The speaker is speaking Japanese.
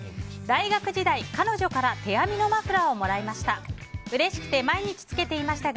大学時代、彼女から手編みのマフラーをもらいました。